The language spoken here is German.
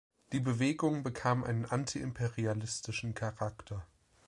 Die Bewegung bekam einen antiimperialistischen Charakter.